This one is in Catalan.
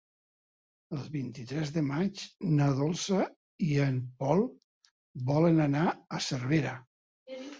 El vint-i-tres de maig na Dolça i en Pol volen anar a Cervera.